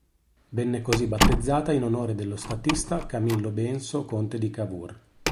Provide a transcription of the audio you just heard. Venne così battezzata in onore dello statista Camillo Benso Conte di Cavour.